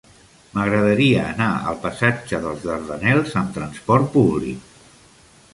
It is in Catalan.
M'agradaria anar al passatge dels Dardanels amb trasport públic.